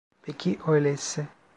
Peki öyleyse.